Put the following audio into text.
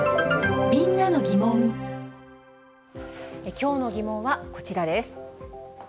きょうの疑問はこちらです。